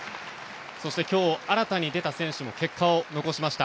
そして今日新たに出た選手も結果を残しました。